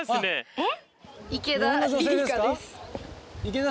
えっ？